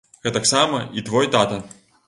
Гэтаксама і твой тата.